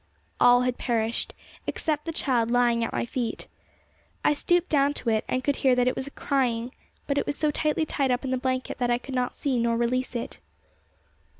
All had perished, except the child lying at my feet. I stooped down to it, and could hear that it was crying, but it was so tightly tied up in a blanket that I could not see it nor release it.